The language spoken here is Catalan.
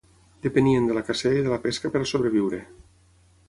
Depenien de la cacera i de la pesca per a sobreviure.